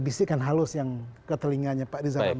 bisa kan halus yang keterlingganya pak riza ramli